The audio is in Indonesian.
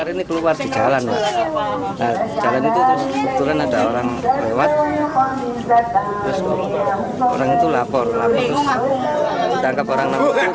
orang itu lapor lapor terus ditangkap orang